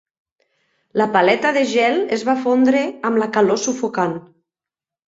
La paleta de gel es va fondre amb la calor sufocant.